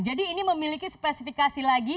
jadi ini memiliki spesifikasi lagi